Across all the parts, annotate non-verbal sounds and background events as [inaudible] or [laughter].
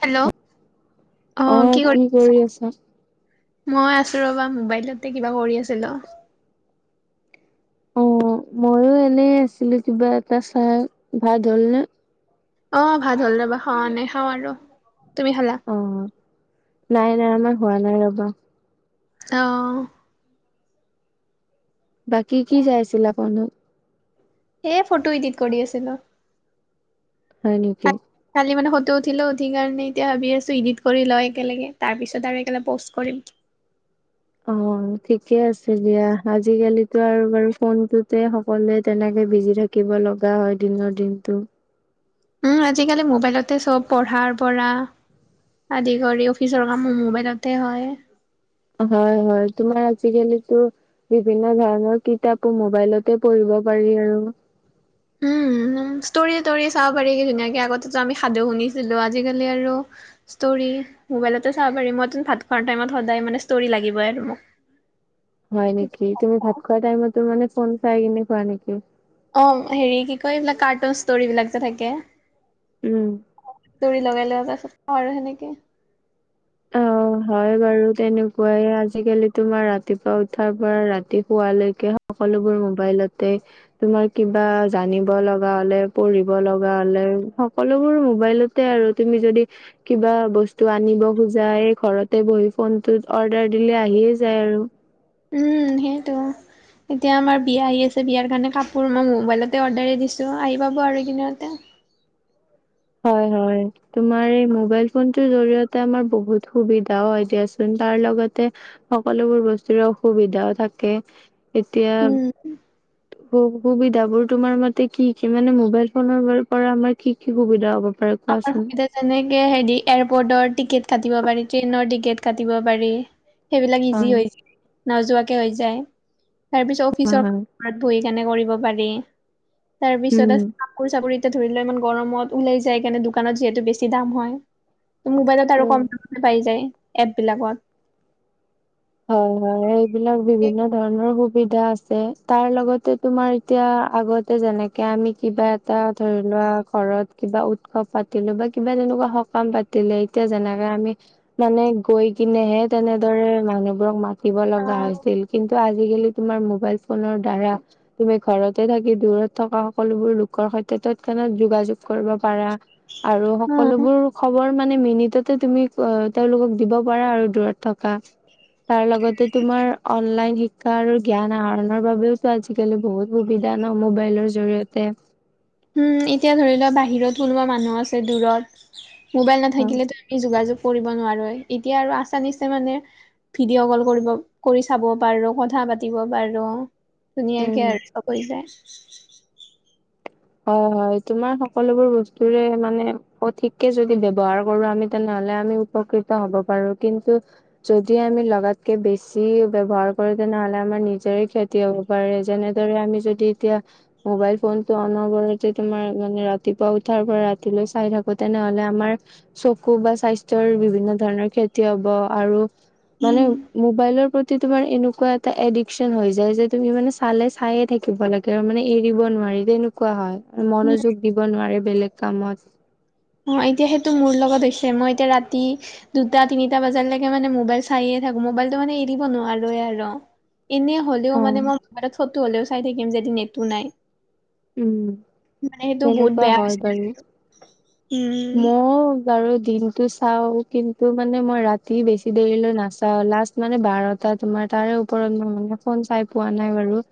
Hello, অঁ কি কৰি আছা? মই আছো ৰবা মোবাইলতে কিবা কৰি আছিলো। অ, মইও এনে আছিলো কিবা এটা চাই। ভাত হ'ল নে? অ ভাত হ'ল ৰবা খাৱানে খাওঁ আৰু। তুমি খালা? অ নাই নাই আমাৰ হোৱা নাই ৰবা। অ। বাকি কি চাই আছিলা ফোনত? এ ফটো এডিট কৰি আছিলো। হয় নেকি? কালি মানে ফটো উঠিলো উঠি কাৰণে এতিয়া ভাবি আছো এডিট কৰি লও একেলগে তাৰপিছত আৰু একেলগে প'ষ্ট কৰিম। অ ঠিকে আছে দিয়া আজিকালিতো আৰু বাৰু ফোনটোতে সকলোৱে তেনেকে বিজি থাক থাকিব লগা হয় দিনৰ দিনটো। উম আজিকালি মোবাইলতে চব পঢ়াৰ পৰা আদি কৰি অফিচৰ কামো মোবাইলতে হয়। হয় হয় তোমাৰ আজি কালিতো বিভিন্ন ধৰণৰ কিতাপো মবাইলতে পঢ়িব পাৰি আৰু। উম ষ্টৰি তৰি চাব পাৰি ধুনীয়াকে আগতেতো আমি সাধু শুনিছিলো আজিকালি আৰু ষ্টৰি মোবাইলতে চাব পাৰি মইতোন ভাত খোৱাৰ টাইমত সদায় মানে ষ্টৰি লাগিবই আৰু মোক। হয় নেকি তুমি ভাত খোৱা টাইমতো মানে ফোন চাই কিনে খোৱা নেকি? অ হেৰি কি কয় এইবিলাক কাৰ্টুন ষ্টৰিবিলাক যে থাকে। উম। ষ্টৰি লগাই লও তাৰপিচত খাও আৰু সেনেকে। অ', [inaudible] হয় বাৰু তেনেকুৱাই আজিকালি তোমাৰ ৰাতিপুৱা উঠাৰ পৰা ৰাতি শুৱালৈকে সকলোবোৰ মোবাইলতে তোমাৰ কিবা জানিব লগা হলে পঢ়িব লগা হলে সকলোবোৰ মোবাইলত তে আৰু তুমি যদি কিবা বস্তু আনিব খুজ জা ঘৰতে বহি ফোনটোত অৰ্ডাৰ দিলে আহিয়ে যায় আৰু। উম সেইটো। এতিয়া আমাৰ বিয়া আহি আছে বিয়াৰ কাৰণে কাপোৰ মই মোবাইলতে অৰ্ডাৰে দিছো আহি পাব আৰু এইকেইদিনতে। হয় হয়। তোমাৰ এই মোবাইল ফোনটোৰ জৰিয়তে আমাৰ বহুত সুবিধাও হয় দিয়াচোন তাৰ লগতে। সকলোবোৰ বস্তুৰে অসুবিধাও থাকে, এতিয়া উ। সু সুবিধাবোৰ তোমাৰ মতে কি কি মানে মোবাইল ফোনৰ পৰা আমাৰ কি কি সুবিধা হ'ব পাৰে আমাৰ কোৱাচোন? সুবিধা যেনেকে হেৰি এয়াৰপৰ্টৰ টিকেট কাটিব পাৰি, ট্ৰেইনৰ টিকেট কাটিব পাৰি। সেইবিলাক ইজি হয় হৈ নোযোৱাকে হৈ যায় তাৰ পিছত হয় অফিচৰ হয় ঘৰত বহি কেনে কৰিব পাৰি তাৰ পিছত উম আছ কাপোৰ চাপোৰ এতিয়া ধৰি ল ইমান গৰমত ওলাই যায় কাৰণে দোকানত যিহেতু বেছি দাম হয়। মোবাইলত আৰু উম কম দামতে পাই যায় এপবিলাকত হয় হয় এইবিলাক বিভিন্ন ধৰণৰ সুবিধা আছে তাৰ লগতে তোমাৰ এতিয়া আগতে যেনেকে আমি কিবা টা ধৰি লোৱা ঘৰত কিবা উৎসৱ পাতিলো বা কিবা তেনেকুৱা সকাম পাত তিলে এতিয়া যেনেকে আমি মানে গৈ কিনেহে তেনেদৰে মানুহ বোৰক মাতিব অ লগা হৈছিল কিন্তু আজিকালি তোমাৰ মোবাইল ফোনৰ দ্বাৰা তুমি ঘৰতে থাকি দূৰত থকা সকলোবোৰ লোকৰ সৈতে তৎক্ষণাত যোগাযোগ কৰিব পাৰা। আৰু উম সকলোবোৰ খবৰ মানে মিনিটতে তুমি অ তেওঁলোকক দিব পাৰা আৰু দূৰত থকা তাৰ লগতে তোমাৰ অনলাইন শিক্ষ ক্ষা আৰু জ্ঞান আহৰণৰ বাবেওতো আজিকালি বহুত সুবিধা ন মোবাইলৰ জৰিয়তে। উম এতিয়া ধৰি লোৱা বাহিৰত কোনোবা মানুহ আছে দূৰত মোবাইল নাথাকিলেতো ই যোগাযোগ কৰিব নোৱাৰোৱে এতিয়া আৰু আছানিছে মানে ভিডিঅ' কল কৰিব কৰি চাব পাৰো কথা পাতিব পাৰো। ধুনীয়াকে উম আৰ অকই কৰি যায়। হয় হয় তোমাৰ সকলোবোৰ বস্তুৰে মানে সঠিককে যদি ব্ৱহাৰ কৰো আমি তেনেহলে আমি উপকৃত হ'ব পাৰো কিন্তু যদি আমি লগাতকে বেছি ব্যৱহাৰ কৰো তেনেহ'লে আমাৰ নিজৰে ক্ষেত তিয় হ'ব পাৰে যেনেদৰে আমি যদি এতিয়া মোবাইল ফোনটো অ নবৰতে তোমাৰ মানে ৰাতিপুৱা উঠাৰ পৰা ৰাতিলৈ চাই থাকো তেনেহ'লে আমাৰ চকু বা স্বাস্থ্যৰ বিভিন্ন ধৰণৰ ক্ষতি হ'ব আৰু মানে মোবাইলৰ প্ৰতি তোমাৰ এনেকোৱা এটা এডিশ্চন হৈ যায় যে তুমি মানে চালে চাই থাক কিবা লাগে মানে এৰিব নোৱাৰি তেনেকুৱা হয় উম, মনোযোগ দিব নোৱাৰে বেলেগ কামত অ এতিয়া সেইটো মোৰ লগত হৈছে মই এতিয়া ৰাতি দুটা তিনিটা বজালৈকে মানে মোবাইল চায়েই থাকো মোবাইলটো মানে এৰিব নোৱাৰোৱে আৰু। এনেই হ'লেও উম মানে মই মোবাইলত ফটো হ'লেও চাই থাকিম যেদি নেতটো নাই। মানে সেইটো বহুত তেনেকুৱা বেয়া হৈছে, উম। মই বাৰু দিনতো চাওঁ কিন্তু মানে মই ৰাতি বেছি দেৰিলৈ নাচাওঁ লাষ্ট মানে বাৰটা তোমাৰ তাৰে ওপৰত মই মানে ফোন চাই পোৱা নাই বাৰু।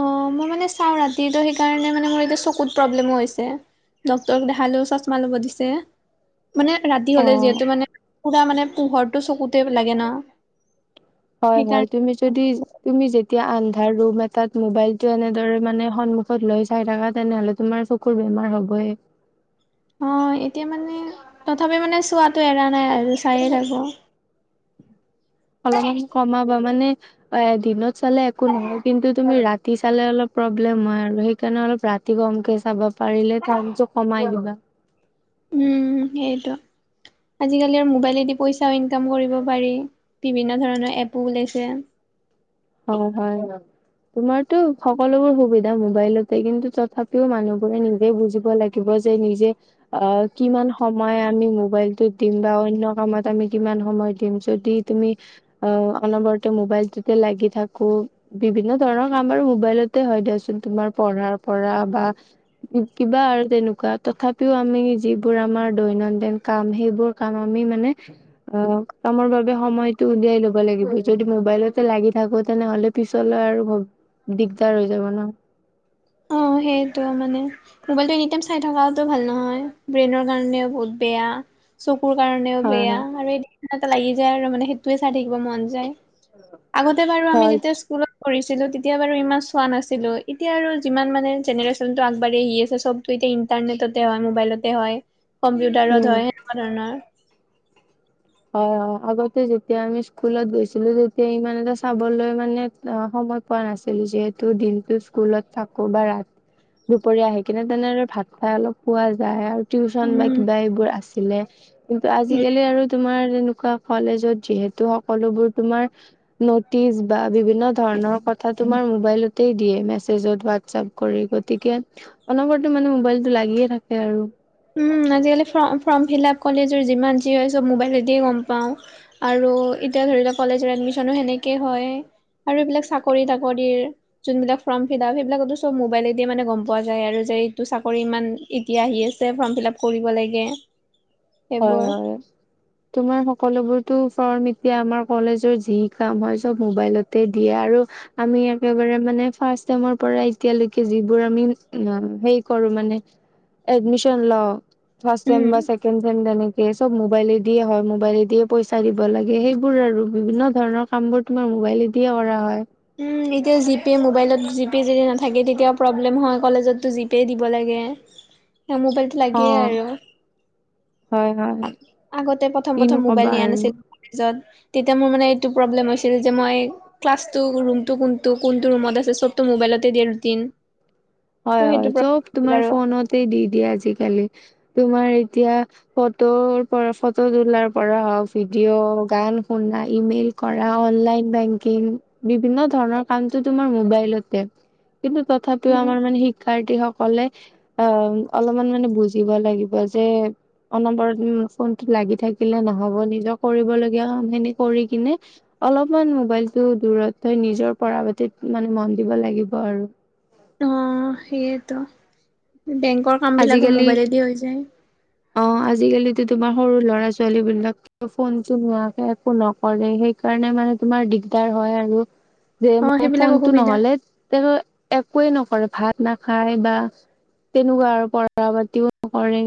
অ মই মানে চাওঁ ৰাতিতো সেইকাৰণে মানে মোৰ এতিয়া চকুত প্ৰব্লেমো হৈছে। ডাক্তৰক দেখালেও চছমা ল'ব দিছে, মানে ৰাতি হ'লে অ'। যিহেতু মানে পুৰা মানে পোহৰটো চকুতে লাগে না। হয় হয় তুমি যদি তুমি যেতিয়া আন্ধাৰ ৰুম এটাত মোবাইলটো এনেদৰে মানে সন্মুখত লৈ চাই থাকা তেনেহলে তোমাৰ চকুৰ বেমাৰ হ'বই। অ, এতিয়া মানে তথাপিও মানে চোৱাটো এৰা নাই আৰু চায়ে থাকো। অলপ কমাবা মানে অ দিনত চালে একো নহয় কিন্তু তুমি ৰাতি চালে অলপ প্ৰব্লেম হয় আৰু সেইকাৰণে অলপ ৰাতি তি কমকে চাবা পাৰিলে কামটো কমাই দিবা। উম, সেইটো আজিকালি আৰু মোবাইলেদি পইচাও ইনকাম কৰিব পাৰি বিভিন্ন ধৰণৰ এপো ওলাইছে। হয় হয় হয়। তোমাৰটো সকলোবোৰ সুবি ধা মোবাইলতে কিন্তু তথাপিও মানুহবোৰে নিজে বুজিব লাগিব যে নিজে আ কিমান সময় আমি মোবাইলটোত দিম বা অন্য কামত আমি কিমান সময় দিম যদি তুমি আ অনবৰতে মোবাইলটোকে লাগি থাকো বিভিন্ন ধৰণৰ কাম বাৰু মোবাইলতে হয় দিয়াচোন তোমাৰ পঢ়াৰ পৰা বা কিবা আৰু তেনেকুৱা তথাপিও আমি যিবোৰ আমাৰ দৈনন্দিন কাম সেইবোৰ কাৰণ আমি মানে আ কামৰ বাবে সময়টো উলিয়াই ল'ব লাগিব যদি মোবাইলতে লাগি থাকো তেনেহ'লে পিছলৈ আৰু মোৰ দিগদাৰ হৈ যাব ন। অ সেইটোৱে মানে। মোবাইলটো এনি টাইম চাই থকাটো ভাল নহয় ব্ৰেইনৰ কাৰণেও বহুত বেয়া, চকুৰ কাৰণেও হয় বেয়া হয় আৰু এই এটা লাগি যায় আৰু মানে সেইটোৱে চাই থাকিব মন যায়। আগতে বাৰু আমি হয় যেতিয়া স্কুলত পঢ়িছিলো তে তেতিয়া বাৰু ইমান চোৱা নাছিলোবএতিয়া আৰু যিমান মানে জেনেৰেশ্যনটো আগবাঢ়ি আহি আছে চব চব এতিয়া ইন্টাৰনেটতে হয় মোবাইলতে হয় কম্পিউটাৰত উম হয় সেনেকুৱা ধৰণৰ। হয় হয় আগতে যেতিয়া আমি স্কুলত গৈছিলো তেতিয়া ইমান এটা চাবলৈ মানে আ সময় পোৱা নাছিলো যিহেতু দিনটো স্কুলত থাকো বা ৰাতি দুপৰীয়া আহি কিনে তেনে আৰু ভাত খাই অলপ সুৱা যায় আৰু। টিউচন উম বা কিবা এইবোৰ আছিলে কিন্তু উম আজিকালি আৰু তোমাৰ যেনেকুৱা কলেজত যিহেতু সকলোবোৰ তোমাৰ নটিচ বা বিভিন্ন ধৰণৰ কথা তোমাৰ মোবাইলত তেই দিয়ে মেছেজত ওৱাডচআপ কৰি গতিকে অনবৰতে মানে মোবাইলটো লাগিয়ে থাকে আৰু। উম আজিকালি ফৰ্ম ফৰ্ম ফিলআপ কলেজৰ যিমান যি হয় চব মোবাইলতেই গম পাওঁ। আৰু এতিয়া ধৰি লোৱা কলেজৰ এডমিশনো সেনেকেই হয়। আৰু এইবিলাক চাকৰি-তাকৰিৰ। যোনবিলাক ফৰ্ম ফিলআপ সেইবিলাকটো চব মোবাইলে দি মানে গম পোৱা যায় আৰু যে এইটো চাকৰি ইমান এতিয়া আহি আছে ছে ফৰ্ম ফিলআপ কৰিব লাগে। হয় সেইবোৰ হয়। তোমাৰ সকলোবোৰটো ফৰ্ম এতিয়া আমাৰ কলেজৰ যি কাম হয় চব মোবাইলতেই দিয়ে আৰু আমি একেবাৰে মানে ফাৰ্ষ্ট চেমৰ পৰা এতিয়ালৈকে যিবোৰ আমি হেৰি কৰো মানে এডমিশন লও ফাৰ্ষ্ট চেম উম বা চেকেণ্ড কেণ্ড তেনেকে চব মোবাইলে দিয়ে হয় মোবাইলে দিয়ে পইচা দিব লাগে সেইবোৰ আৰু বিভিন্ন ধৰণৰ কামবোৰ তোমাৰ মোবাইলে দিয়ে কৰা হয়। উম এতিয়া জিপে মোবাইলত জিপে যদি নাথাকে তেতিয়াও প্ৰব্লেম হয় কলেজতটো জিপে দিব লাগে। তা মোবাইলটো অ লাগেই আৰু। হয় হয় আগতে প্ৰথম কিনো প্ৰথম কবা মোবাইল নিয়া আৰু নাছি লো কলেজত তেতিয়া মোৰ মানে এইটো প্ৰব্লেম হৈছিল যে মই ক্লাছ টো ৰুমটো কোনটো কোনটো ৰুমত আছে চবতো মোবাইলতে দিয়ে ৰুতিন হয় হয় চব তোমাৰ ফোনতেই দি দিয়ে আজিকালি তোমাৰ এতিয়া ফটোৰ পৰা ফটো তোলাৰ পৰা হওক ভিডিঅ' গান শুনা ইমেইল কৰা অনলাইন বেংকিং বিভিন্ন ধৰণৰ কামটো তোমাৰ মোবাইলতে কিন্তু তথাপিও উম, আমাৰ মানে শিক্ষাৰ্থীসকলে অহ অলপমান মানে বুজিব লাগিব যে অনবৰত ফোনটো লাগি থাকিলে নহ'ব নিজৰ কৰিবলগীয়া কামখিনি কৰি কিনে অলপমান মোবাইলটো দূৰত থৈ নিজৰ পঢ়া পতিত মানে মন দিব লাগিব আৰু অহ সেইটো বেংকৰ কামবিলাকো মোবাইলেদি হৈ যায় অহ আজিকালিতো তোমাৰ সৰু ল'ৰা ছোৱালী বিলাক ফোনটো নোহোৱাকে একো নকৰে সেইকাৰণে মানে তোমাৰ দিগদাৰ হয় আৰু যে অ, মানে সেইবিলাক ফোনটো অসুবিধা। নহলে তেওঁ একোৱেই নকৰে ভাত নাখায় বা তেনেকুৱা আৰু পঢ়া পাতিও নকৰে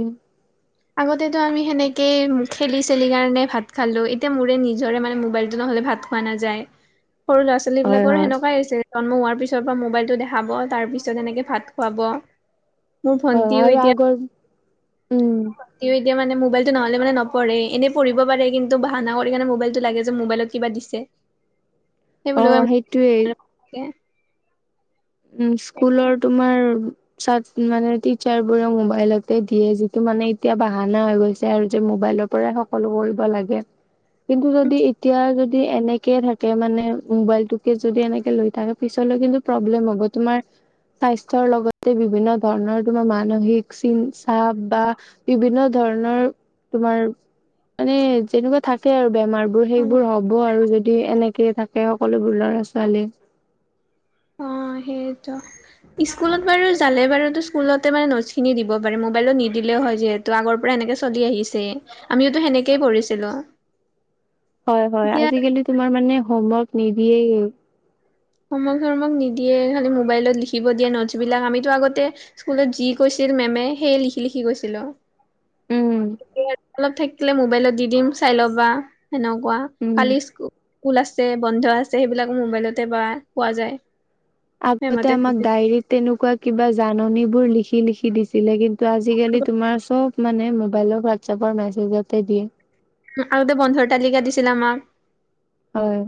আগতেটো আমি সেনেকে খেলি চেলি কাৰণে ভাত খালো এতিয়া মোৰে নিজৰে মানে মোবাইলটো নহ'লে ভাত খোৱা নাযায় সৰু ল'ৰা ছোৱালী হয় বিলাকৰ হয়। সেনেকুৱাই হৈছে জন্ম হোৱাৰ পিছৰ পা মোবাইলটো দেখাব তাৰ পিছত এনেকে ভাত খুৱাব মোৰ হয় ভন্টিও আৰু আগৰ উম ইয়ো এতিয়া মানে মোবাইলটো নহলে মানে নপঢ়েই এনে পাঢ়িব পাৰে কিন্তু বাহানা কৰি কেনে মোবাইলটো লাগে যে মোবাইলত কিবা দিছে অ সেইবুলি সেইটোৱেই কৈ উম স্কুলৰ তোমাৰ চাত মানে টিচাৰ বোৰেও মোবাইলতে দিয়ে যিটো মানে এতিয়া বাহানা হৈ গৈছে আৰু যে মোবাইলত পৰা সকলো কৰিব লাগে [inaudible] কিন্তু যদি এতিয়া যদি এনেকে থাকে মানে মোবাইলটোকে যদি এনেকে লৈ থাকে পিছত পিছলৈ কিন্তু প্ৰব্লেম হব তোমাৰ স্বাস্থ্যৰ লগতে বিভিন্ন ধৰণৰ তোমাৰ মানসিক চিন চাপ বাহ বিভিন্ন ধৰণৰ তোমাৰ মানে যেনেকুৱা থাকে আৰু বেমাৰ ত অ সেইবোৰ হ'ব আৰু যদি এনেকে থাকে সকলোবোৰ ল'ৰা ছোৱালী অহ সেয়েটো স্কুলত বাৰু যালে বাৰুতো স্কুলতে মানে নোটছখিনি দিব পাৰে মোবাইলত নিদিলেও হয় যিহেত ত আগৰ পৰা এনেকে চলি আহিছে। আমিওতো সেনেকে পঢ়িছিলো। হয় হয়। এতিয়া আজিকালি তোমাৰ মানে হোমৱৰ্ক নিদিয়েও হমৱৰ্ক চমৱৰ্ক নিদিয়ে খালি মোবাইলত লিখিব দিয়ে নোটছ বিলাক আমিতো আগতে স্কুলত যি কৈছিল মেমে সেইয়ে লিখি লিখি গৈছিলো। উম এতিয়া অলপ থাকিলে মোবাইলত দি দিম চাই ল'বা। সেনেকুৱা উম কালি স্কুল আছে বন্ধ আছে সেইবিলাক মোবাইলতে পাই পোৱা যায়। আগতে মেমহতে আমাক ডায়েৰীত তেনেকুৱা কিবা জাননী বোৰ লিখি লিখি দিছিলে কিন্ ত আজিকালি তোমাৰ চব মানে মোবাইলত হোৱাটছএপৰ মেছেজতে দিয়ে। আগতে বন্ধৰ তালিকা দিছিলে আমাক হয়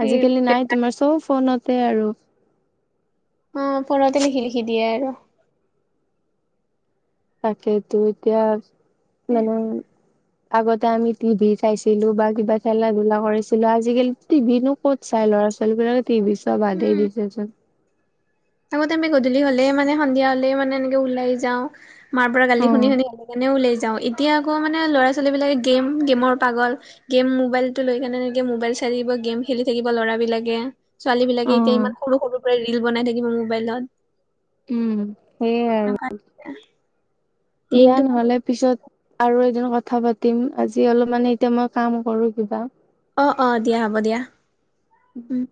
সেই আজিকালি নাই তোমাৰ চব ফোনতে আৰু অ ফ'নতে লিখি লিখি দিয়ে আৰু তাকেইতো এতিয়া মানে আগতে আমি টিভি চাইছিলো বা কিবা খেলা ধুলা কৰিছিলো আজিকালি টিভি নো ক'ত চাই ল'ৰা ছোৱালীবিলাকে টিভি চোৱা বাদেই উম দিছেচোন। আগতে আমি গধূলি হলেই মানে সন্ধিয়া হলেই মানে এনেকে ওলাই যাওঁ। মাৰ পৰা গালি শুনি শুনি গালে কাৰণেও ওলায় যাওঁ এতিয়া আকৌ মানে ল'ৰা ছোৱালীবিলাকে গেম গেমৰ পাগল। গেম মোবাইল টো লৈ কেনে এনেকে মোবাইল চাই থাকিব গেম খেলি থাকিব ল'ৰাবিলাকে। ছোৱালী বিলাকে এতিয়া উম ইমান সৰু সৰু পৰা ৰিল বনাই থাকিব মোবাইলত। উম সেইয়াই আৰু। দিয়া দিনটো নহ'লে পিছত আৰু এদিন কথা পাতিম, আজি অলপ মানে এতিয়া মই কাম কৰো কিবা। অ অ দিয়া হ'ব দিয়া উম।